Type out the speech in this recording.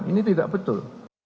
ini tidak betul